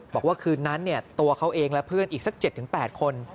บอกว่าคืนนั้นตัวเขาเองและเพื่อนอีกสัก๗๘คน